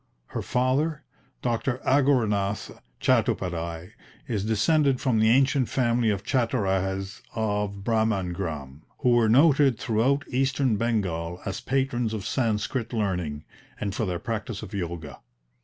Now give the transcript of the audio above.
Her father, Dr. Aghorenath Chattopadhyay, is descended from the ancient family of Chattorajes of Bhramangram, who were noted throughout Eastern Bengal as patrons of Sanskrit learning, and for their practice of Yoga.